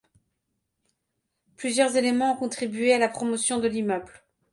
Plusieurs éléments ont contribué à la promotion de l'immeuble.